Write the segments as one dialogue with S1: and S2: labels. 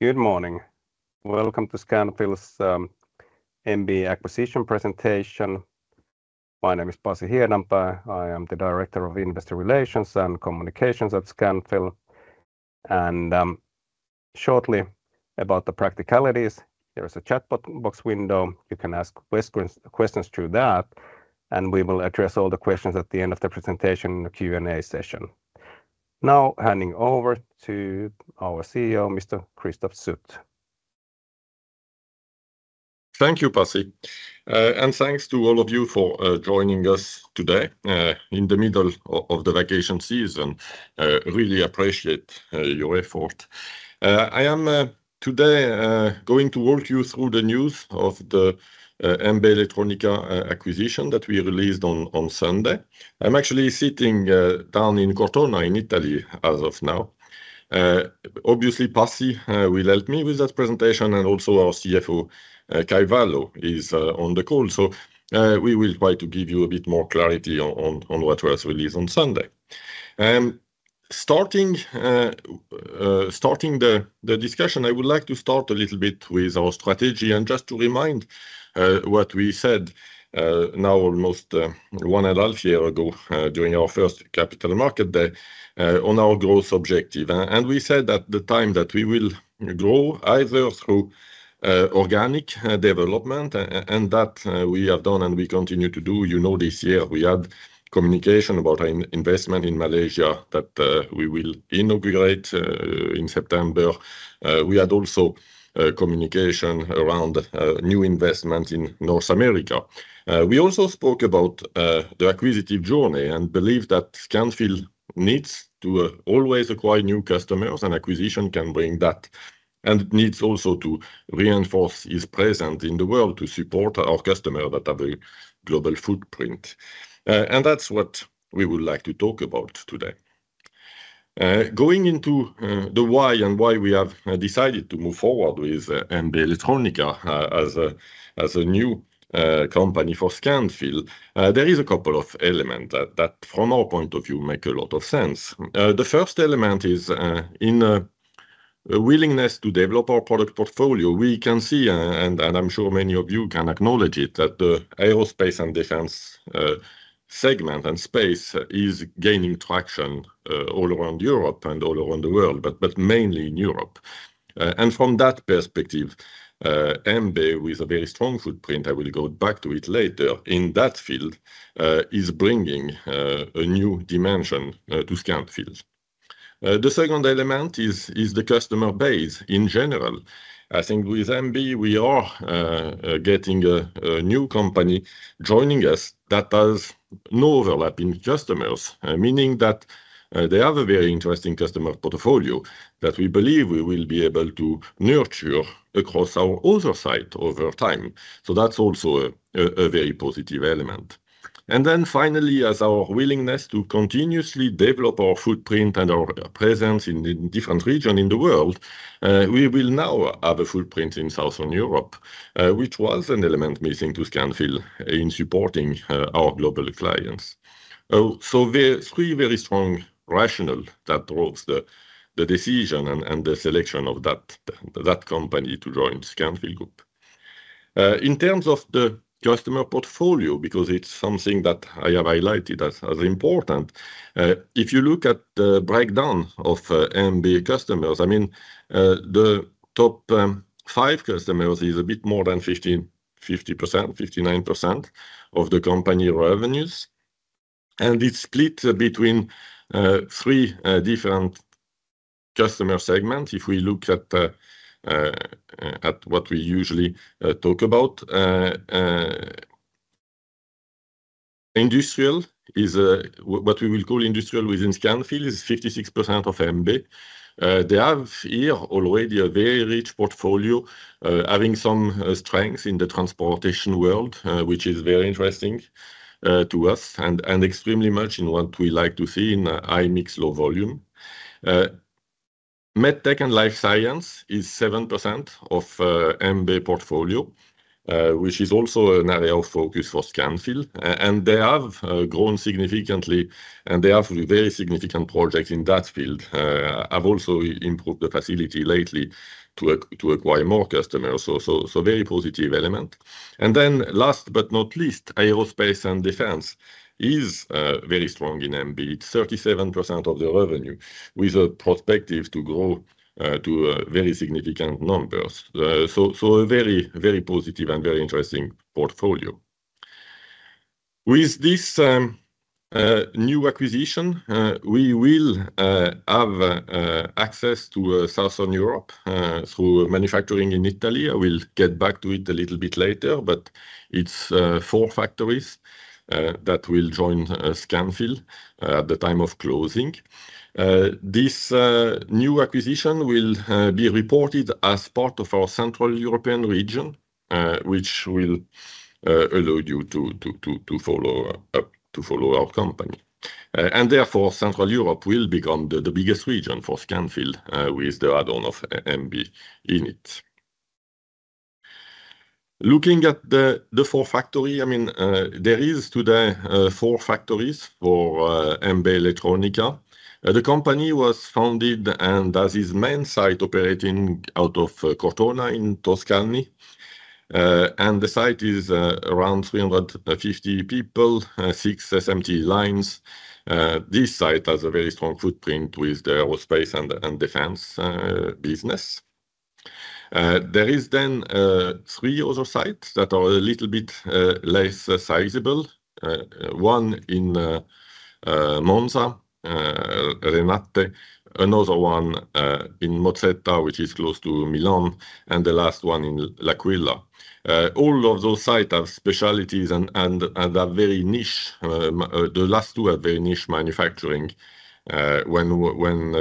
S1: Good morning. Welcome to Scanfil's MB acquisition presentation. My name is Pasi Hiedanpää. I am the Director of Investor Relations and Communications at Scanfil. Shortly about the practicalities, there is a chat box window. You can ask questions through that, and we will address all the questions at the end of the presentation in the Q&A session. Now, handing over to our CEO, Mr. Christophe Sut.
S2: Thank you, Pasi, and thanks to all of you for joining us today in the middle of the vacation season. Really appreciate your effort. I am today going to walk you through the news of the MB Elettronica acquisition that we released on Sunday. I'm actually sitting down in Cortona in Italy as of now. Obviously, Pasi will help me with that presentation, and also our CFO, Kai Valo, is on the call. We will try to give you a bit more clarity on what was released on Sunday. Starting the discussion, I would like to start a little bit with our strategy and just to remind what we said now almost one and a half year ago during our first Capital Markets Day on our growth objective. We said at the time that we will grow either through organic development, and that we have done and we continue to do. You know, this year we had communication about our investment in Malaysia that we will inaugurate in September. We had also communication around new investments in North America. We also spoke about the acquisitive journey and believe that Scanfil needs to always acquire new customers, and acquisition can bring that. It needs also to reinforce its presence in the world to support our customers that have a global footprint. That is what we would like to talk about today. Going into the why and why we have decided to move forward with MB Elettronica as a new company for Scanfil, there are a couple of elements that from our point of view make a lot of sense. The first element is in a willingness to develop our product portfolio. We can see, and I'm sure many of you can acknowledge it, that the aerospace and defense segment and space is gaining traction all around Europe and all around the world, but mainly in Europe. From that perspective, MB with a very strong footprint, I will go back to it later, in that field is bringing a new dimension to Scanfil. The second element is the customer base in general. I think with MB, we are getting a new company joining us that has no overlap in customers, meaning that they have a very interesting customer portfolio that we believe we will be able to nurture across our other side over time. That is also a very positive element. Finally, as our willingness to continuously develop our footprint and our presence in different regions in the world, we will now have a footprint in Southern Europe, which was an element missing to Scanfil in supporting our global clients. There are three very strong rationales that drove the decision and the selection of that company to join the Scanfil Group. In terms of the customer portfolio, because it's something that I have highlighted as important, if you look at the breakdown of MB customers, the top five customers are a bit more than 50%, 59% of the company revenues. It's split between three different customer segments. If we look at what we usually talk about, industrial is what we will call industrial within Scanfil, is 56% of MB. They have here already a very rich portfolio, having some strengths in the transportation world, which is very interesting to us and extremely much in what we like to see in a high-mix, low-volume. Medtech & Life Science is 7% of MB portfolio, which is also an area of focus for Scanfil. They have grown significantly, and they have very significant projects in that field. I've also improved the facility lately to acquire more customers. Very positive element. Last but not least, aerospace and defense is very strong in MB. It's 37% of the revenue with a prospective to grow to very significant numbers. A very, very positive and very interesting portfolio. With this new acquisition, we will have access to Southern Europe through manufacturing in Italy. I will get back to it a little bit later, but it's four factories that will join Scanfil at the time of closing. This new acquisition will be reported as part of our Central European region, which will allow you to follow our company. Therefore, Central Europe will become the biggest region for Scanfil with the add-on of MB in it. Looking at the four factories, there are today four factories for MB Elettronica. The company was founded and has its main site operating out of Cortona in Tuscany. The site is around 350 people, six SMT lines. This site has a very strong footprint with the aerospace and defense business. There are then three other sites that are a little bit less sizable. One in Monza (Renate), another one in, [inaudible] which is close to Milan, and the last one in L'Aquila. All of those sites have specialties and are very niche. The last two are very niche manufacturing when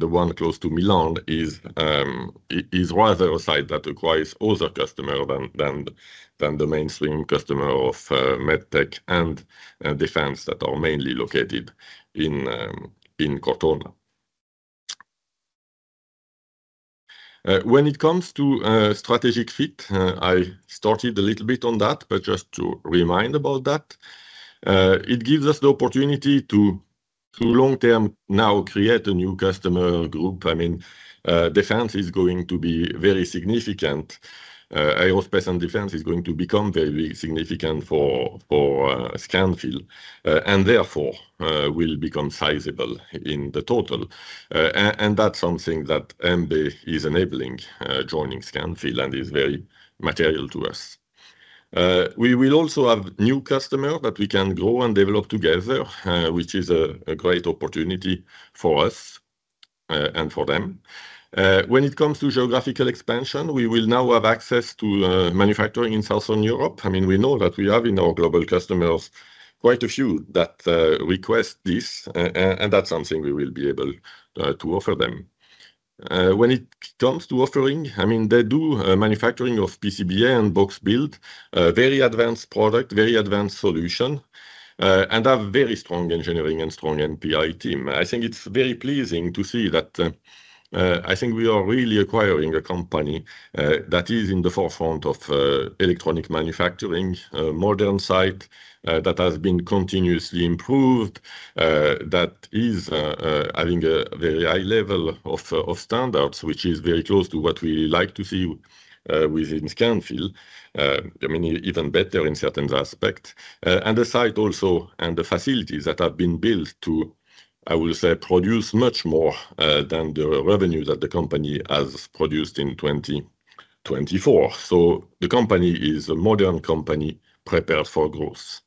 S2: the one close to Milan is rather a site that requires other customers than the mainstream customer of Medtech and defense that are mainly located in Cortona. When it comes to strategic fit, I started a little bit on that, but just to remind about that, it gives us the opportunity to long-term now create a new customer group. I mean, defense is going to be very significant. Aerospace and defense is going to become very significant for Scanfil and therefore will become sizable in the total. That's something that MB is enabling joining Scanfil and is very material to us. We will also have new customers that we can grow and develop together, which is a great opportunity for us and for them. When it comes to geographical expansion, we will now have access to manufacturing in Southern Europe. I mean, we know that we have in our global customers quite a few that request this, and that's something we will be able to offer them. When it comes to offering, I mean, they do manufacturing of PCBA and box build, very advanced product, very advanced solution, and have very strong engineering and strong MPI team. I think it's very pleasing to see that I think we are really acquiring a company that is in the forefront of electronics manufacturing, a modern site that has been continuously improved, that is having a very high level of standards, which is very close to what we like to see within Scanfil. I mean, even better in certain aspects. The site also and the facilities that have been built to, I will say, produce much more than the revenue that the company has produced in 2024. The company is a modern company prepared for growth.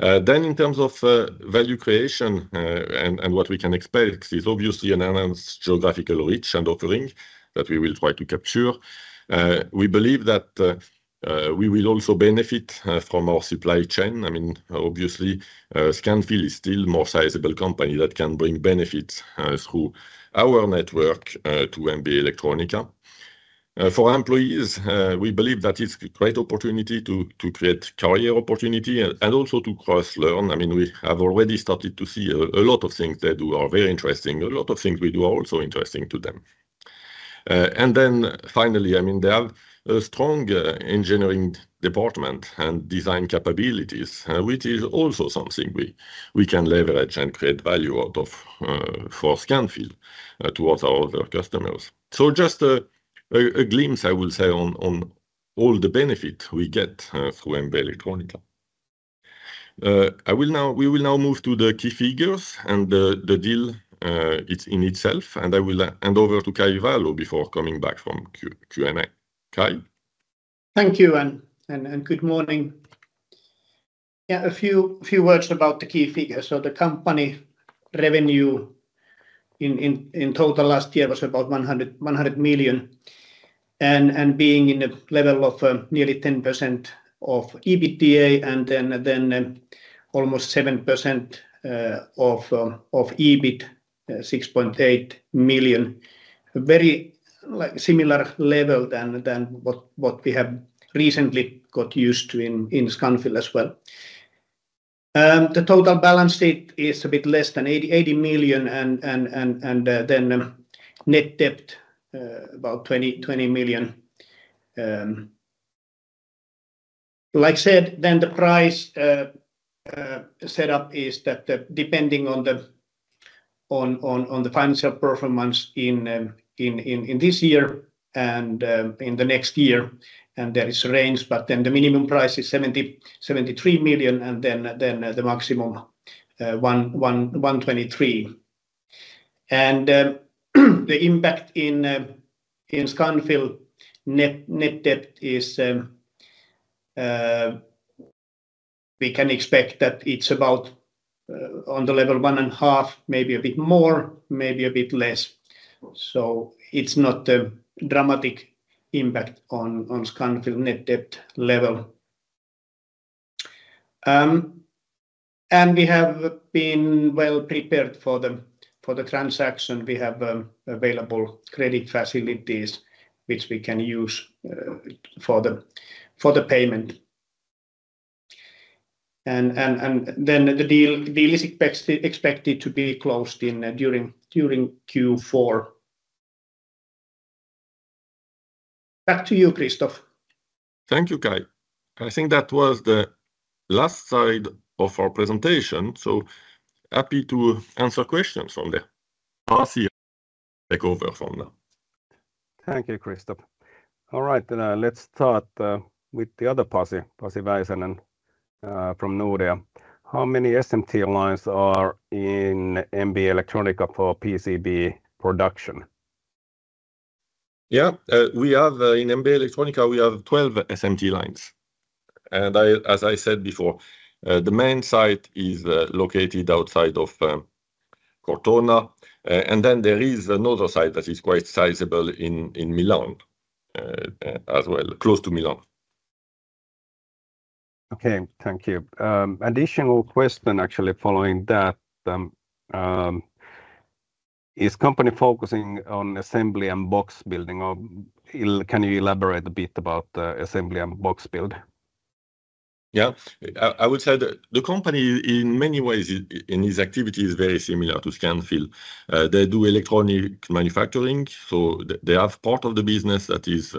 S2: In terms of value creation and what we can expect, it's obviously an enhanced geographical reach and offering that we will try to capture. We believe that we will also benefit from our supply chain. I mean, obviously, Scanfil is still a more sizable company that can bring benefits through our network to MB Elettronica. For employees, we believe that it's a great opportunity to create career opportunity and also to cross-learn. I mean, we have already started to see a lot of things they do are very interesting. A lot of things we do are also interesting to them. Finally, I mean, they have a strong engineering department and design capabilities, which is also something we can leverage and create value out of for Scanfil towards our other customers. Just a glimpse, I will say, on all the benefits we get through MB Elettronica. We will now move to the key figures and the deal in itself. I will hand over to Kai Valo before coming back from Q&A. Kai.
S3: Thank you and good morning. Yeah, a few words about the key figures. The company revenue in total last year was about 100 million, and being in a level of nearly 10% of EBITDA and then almost 7% of EBIT, 6.8 million. A very similar level than what we have recently got used to in Scanfil as well. The total balance sheet is a bit less than 80 million, and net debt about 20 million. Like I said, the price setup is that depending on the financial performance in this year and in the next year, and there is a range, but the minimum price is 73 million and the maximum 123 million. The impact in Scanfil net debt is we can expect that it's about on the level one and a half, maybe a bit more, maybe a bit less. It's not a dramatic impact on Scanfil net debt level. We have been well-prepared for the transaction. We have available credit facilities, which we can use for the payment. The deal is expected to be closed during Q4. Back to you, Christophe.
S2: Thank you, Kai. I think that was the last slide of our presentation. Happy to answer questions from there. Pasi, take over from now.
S1: Thank you, Christophe. All right, let's start with the other Pasi, Pasi Väisänen from Nordea. How many SMT lines are in MB Elettronica for PCB production?
S2: Yeah, we have in MB Elettronica, we have 12 SMT lines. As I said before, the main site is located outside of Cortona. There is another site that is quite sizable in Milan, as well, close to Milan.
S1: Okay, thank you. Additional question actually following that. Is the company focusing on assembly and box building, or can you elaborate a bit about assembly and box build?
S2: Yeah, I would say that the company in many ways in its activity is very similar to Scanfil. They do electronics manufacturing. They have part of the business that is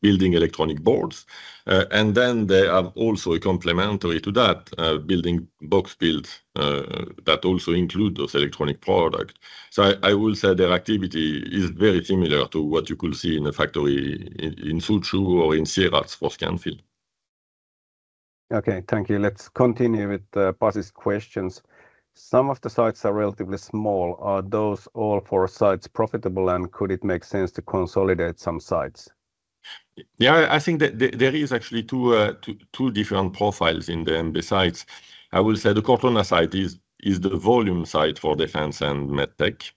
S2: building electronic boards, and they have also a complementary to that, building box builds that also include those electronic products. I will say their activity is very similar to what you could see in a factory in Suzhou or in Sieradz for Scanfil.
S1: Okay, thank you. Let's continue with Pasi's questions. Some of the sites are relatively small. Are those all four sites profitable, and could it make sense to consolidate some sites?
S2: Yeah, I think that there are actually two different profiles in the MB sites. I will say the Cortona site is the volume site for defense and Medtech.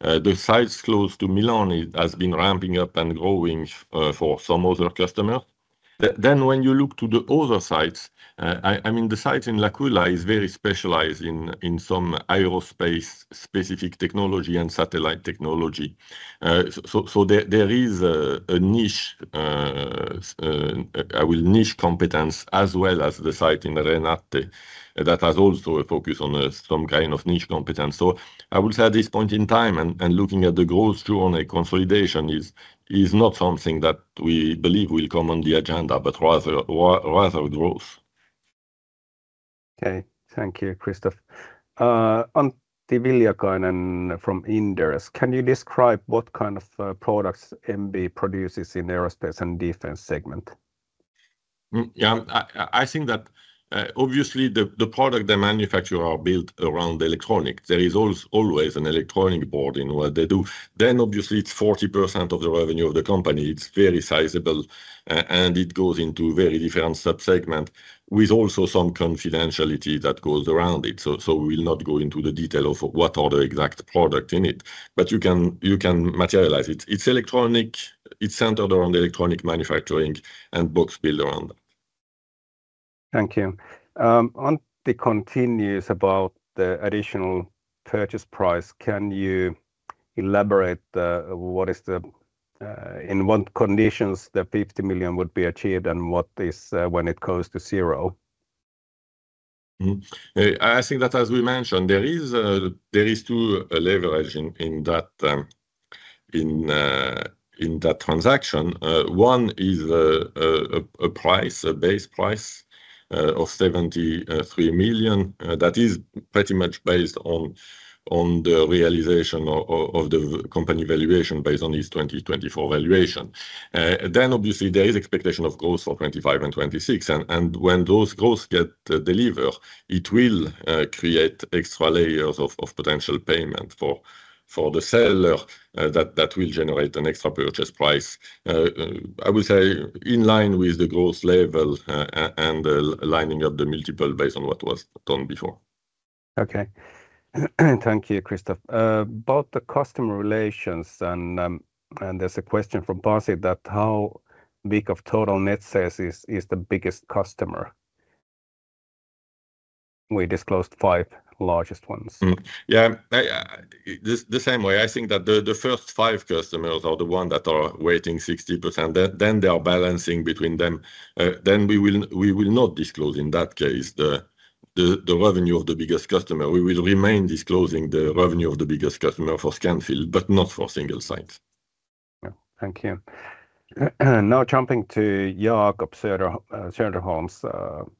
S2: The sites close to Milan have been ramping up and growing for some other customers. When you look to the other sites, I mean, the site in L'Aquila is very specialized in some aerospace-specific technology and satellite technology. There is a niche, I will say, niche competence as well as the site in Renate that has also a focus on some kind of niche competence. I will say at this point in time and looking at the growth journey, consolidation is not something that we believe will come on the agenda, but rather growth.
S1: Okay, thank you, Christophe. Antti Viljakainen from Inderes. Can you describe what kind of products MB produces in the aerospace and defense segment?
S2: Yeah, I think that obviously the products they manufacture are built around electronics. There is always an electronic board in what they do. It's 40% of the revenue of the company. It's very sizable, and it goes into very different subsegments with also some confidentiality that goes around it. We will not go into the detail of what are the exact products in it, but you can materialize it. It's electronic. It's centered around electronic manufacturing and box build around that.
S1: Thank you. Antti continues about the additional purchase price. Can you elaborate what is the, in what conditions the $50 million would be achieved and what is when it goes to zero?
S2: I think that as we mentioned, there are two leverages in that transaction. One is a price, a base price of 73 million that is pretty much based on the realization of the company valuation based on its 2024 valuation. There is expectation of growth for 2025 and 2026. When those growths get delivered, it will create extra layers of potential payment for the seller that will generate an extra purchase price. I would say in line with the growth level and lining up the multiple based on what was done before.
S1: Okay, thank you, Christophe. About the customer relations, there's a question from Pasi that how big of total net sales is the biggest customer? We disclosed five largest ones.
S2: Yeah, the same way. I think that the first five customers are the ones that are weighting 60%. They are balancing between them. We will not disclose in that case the revenue of the biggest customer. We will remain disclosing the revenue of the biggest customer for Scanfil, but not for single sites.
S1: Thank you. Now jumping to Joonas Ilvonen's questions.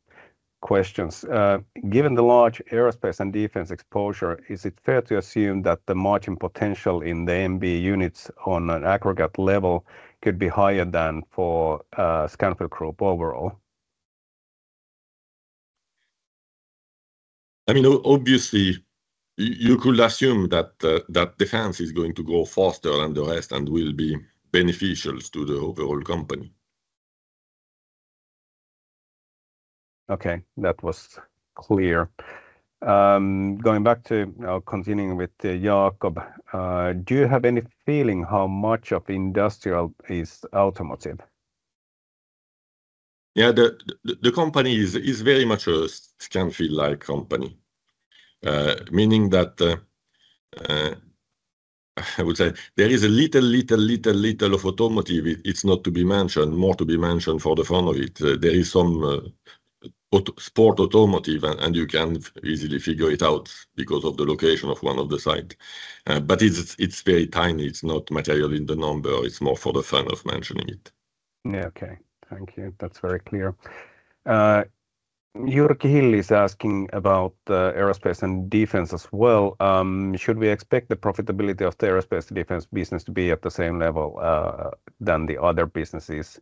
S1: Given the large aerospace and defense exposure, is it fair to assume that the margin potential in the MB units on an aggregate level could be higher than for Scanfil Group overall?
S2: I mean, obviously, you could assume that defense is going to grow faster than the rest and will be beneficial to the overall company.
S1: Okay, that was clear. Going back to, continuing with Joonas, do you have any feeling how much of industrial is automotive?
S2: Yeah, the company is very much a Scanfil-like company, meaning that I would say there is a little, little, little, little of automotive. It's not to be mentioned, more to be mentioned for the fun of it. There is some sport automotive, and you can easily figure it out because of the location of one of the sites. It's very tiny. It's not material in the number. It's more for the fun of mentioning it.
S1: Okay, thank you. That's very clear. Jyrki Hinl is asking about the aerospace and defense as well. Should we expect the profitability of the aerospace and defense business to be at the same level as the other businesses?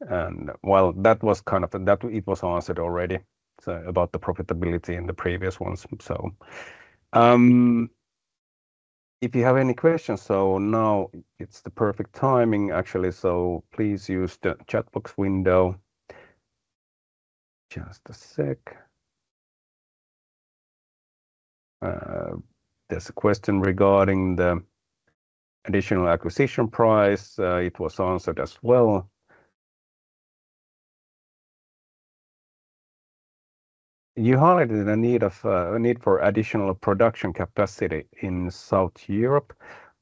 S1: That was kind of, that it was answered already about the profitability in the previous ones. If you have any questions, now it's the perfect timing, actually. Please use the chat box window. Just a sec. There's a question regarding the additional acquisition price. It was answered as well. You highlighted a need for additional production capacity in Southern Europe.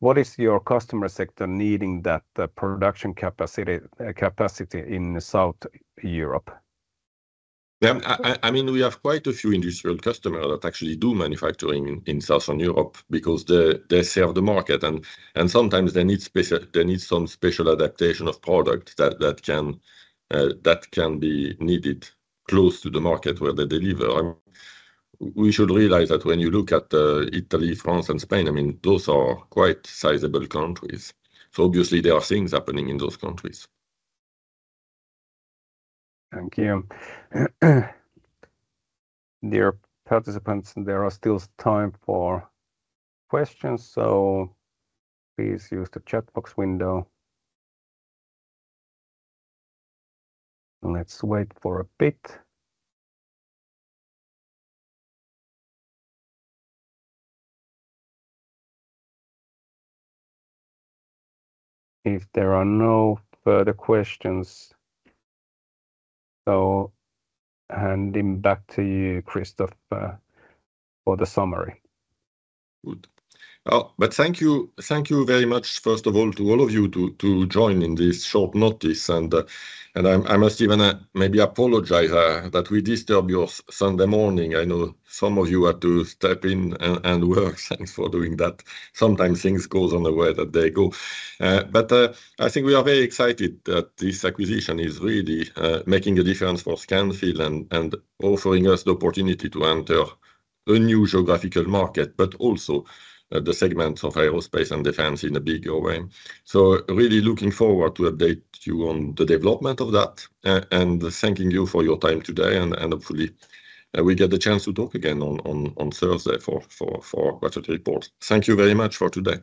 S1: What is your customer sector needing that production capacity in Southern Europe?
S2: Yeah, I mean, we have quite a few industrial customers that actually do manufacturing in Southern Europe because they serve the market. Sometimes they need some special adaptation of products that can be needed close to the market where they deliver. We should realize that when you look at Italy, France, and Spain, I mean, those are quite sizable countries. Obviously, there are things happening in those countries.
S1: Thank you. Dear participants, there is still time for questions, so please use the chat box window. Let's wait for a bit. If there are no further questions, I'll hand it back to you, Christophe, for the summary.
S2: Thank you. Thank you very much, first of all, to all of you to join in this short notice. I must even maybe apologize that we disturbed your Sunday morning. I know some of you had to step in and work. Thanks for doing that. Sometimes things go on the way that they go. I think we are very excited that this acquisition is really making a difference for Scanfil and offering us the opportunity to enter a new geographical market, but also the segments of aerospace and defense in a bigger way. I am really looking forward to update you on the development of that and thanking you for your time today. Hopefully, we get the chance to talk again on Thursday for our budget report. Thank you very much for today.